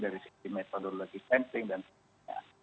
dari sisi methodology sensing dan sebagainya